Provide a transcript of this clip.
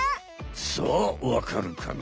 さあ分かるかな？